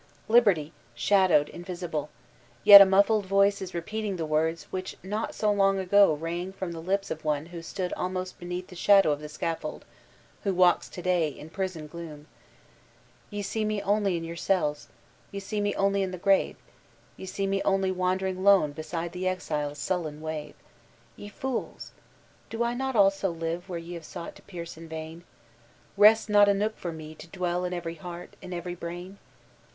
Liberty I Shadowed, invisible I Yet a muffled voice is repeating the words which not so long ago rang from the lips of one who stood almost beneath the shadow of the scaffold, who walks to day in prison gloom: "Ye see me only in your cells, ye see me only in the graven Ye see me only wancTring kme be^de the exile's soUcn wsfet Ye foob! Do I not also live where yoa have son^t to pierce in vain? Scsts not a nook for me to dwdl in every heart, ia every brain?